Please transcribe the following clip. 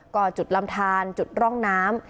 ก็จุดลำทานจุดร่องน้ำ